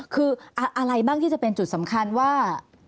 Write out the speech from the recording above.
คืออะไรบ้างที่จะเป็นจุดสำคัญว่า